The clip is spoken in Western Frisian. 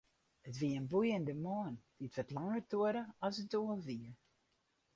It wie in boeiende moarn, dy't wat langer duorre as it doel wie.